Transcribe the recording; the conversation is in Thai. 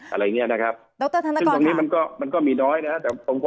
อะไรอย่างเงี้ยนะครับซึ่งตรงนี้มันก็มันก็มีน้อยนะครับ